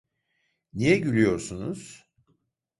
Niye gülüyorsunuz?